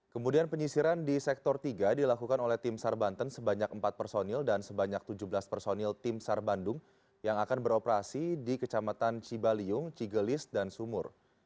kemudian penyisiran di sektor tiga dilakukan oleh tim sar banten sebanyak empat personil dan sebanyak tujuh belas personil tim sar bandung yang akan beroperasi di kecamatan cibaliung cigelis dan sumur